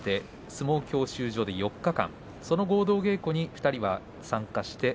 相撲教習所で４日間相撲合同稽古に２人が参加しました。